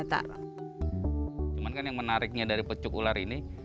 cuma kan yang menariknya dari pecuk ular ini